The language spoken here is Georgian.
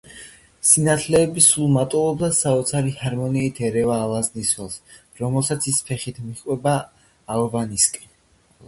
სინათლეები სულ მატულობს და საოცარი ჰარმონიით ერევა ალაზნის ველს, რომელსაც ის ფეხით მიჰყვება ალვანისაკენ.